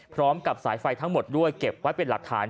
พร้อมกับสายไฟทั้งหมดด้วยเก็บไว้เป็นหลักฐาน